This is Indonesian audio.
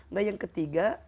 nah yang ketiga